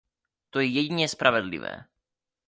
To je jedině spravedlivé.